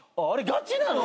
ガチなの！？